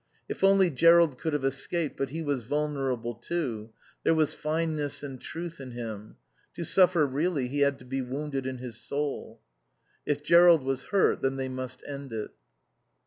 If only Jerrold could have escaped, but he was vulnerable, too; there was fineness and truth in him. To suffer really he had to be wounded in his soul. If Jerrold was hurt then they must end it.